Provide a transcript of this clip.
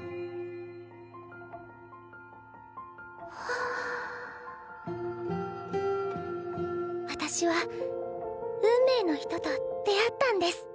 あっ私は運命の人と出会ったんです。